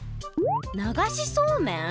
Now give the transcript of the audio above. ながしそうめん？